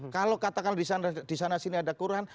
kalau katakan disana sini ada kurahan